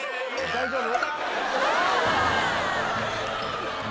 大丈夫？